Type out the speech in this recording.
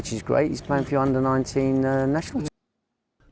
dan sekarang yang bagus dia memiliki keputusan untuk mencapai sembilan belas tahun